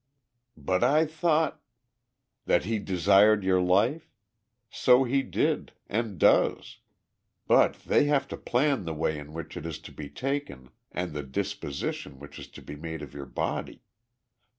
"But I thought " "That he desired your life? So he did and does. But they have to plan the way in which it is to be taken and the disposition which is to be made of your body.